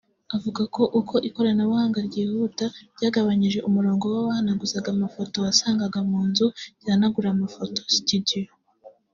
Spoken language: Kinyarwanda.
Avuga ko uko ikoranabuhanga ryihuta byagabanyije umurongo w’abahanaguzaga amafoto wasangaga mu nzu zihanagura amafoto (situdiyo)